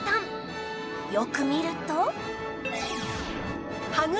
よく見ると